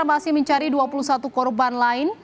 masih mencari dua puluh satu korban lain